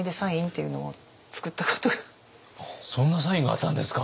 そんなサインがあったんですか！